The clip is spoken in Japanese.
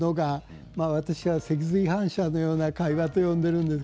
私は脊髄反射のような会話と言っています。